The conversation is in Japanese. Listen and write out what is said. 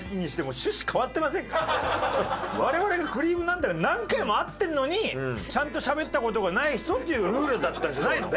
我々が『くりぃむナンタラ』で何回も会ってるのにちゃんとしゃべった事がない人っていうルールだったんじゃないの？